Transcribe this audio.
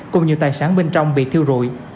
cùng nhiều tài sản bên trong bị thiêu rụi